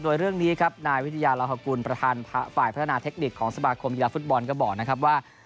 โดยเรื่องนี้ครับนายวิทยาลาฮกุลประธานฝ่ายพัฒนาเทคนิคของสมาคมกีฬาฟุตบอลก็บอกนะครับว่า